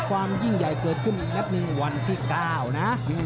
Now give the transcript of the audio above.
ความยิ่งใหญ่เกิดขึ้นแป๊บหนึ่งวันที่๙นะ